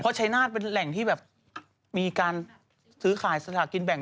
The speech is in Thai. เพราะชายนาฏเป็นแหล่งที่แบบมีการซื้อขายสลากินแบ่ง